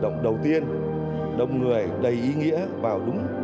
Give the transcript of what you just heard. ngày sinh nhật bác